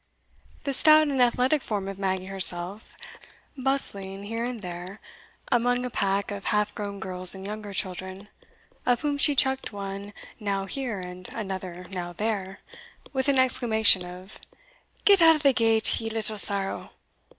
The stout and athletic form of Maggie herself, bustling here and there among a pack of half grown girls and younger children, of whom she chucked one now here and another now there, with an exclamation of "Get out o' the gate, ye little sorrow!"